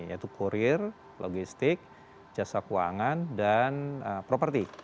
yaitu kurir logistik jasa keuangan dan properti